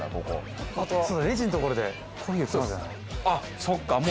あっそっか。